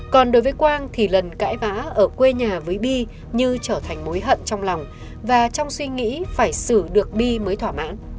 còn đối với quang thì lần cãi vã ở quê nhà với bi như trở thành mối hận trong lòng và trong suy nghĩ phải xử được bi mới thỏa mãn